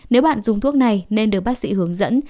nếu bạn dùng thuốc này nên được bác sĩ hướng dẫn